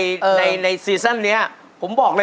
ยิ่งรักเธอต่อยิ่งเสียใจ